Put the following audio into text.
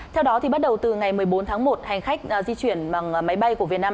theo đó bắt đầu từ ngày một mươi bốn tháng một hành khách di chuyển bằng máy bay của việt nam